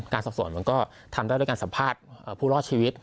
สอบส่วนมันก็ทำได้ด้วยการสัมภาษณ์ผู้รอดชีวิต